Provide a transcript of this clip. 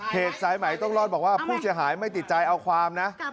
สายใหม่ต้องรอดบอกว่าผู้เสียหายไม่ติดใจเอาความนะ